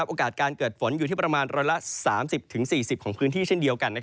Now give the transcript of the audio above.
โอกาสการเกิดฝนอยู่ที่ประมาณ๑๓๐๔๐ของพื้นที่เช่นเดียวกัน